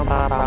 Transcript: oh tidak tidak